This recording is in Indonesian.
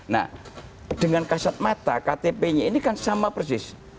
nah dengan kasat mata ktp nya ini kan sama persis